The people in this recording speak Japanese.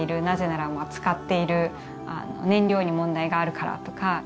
なぜなら使っている燃料に問題があるからとか。